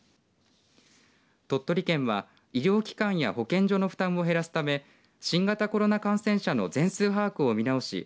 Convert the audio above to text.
鳥取県は医療機関や保健所の負担を減らすため新型コロナ感染者の全数把握を見直し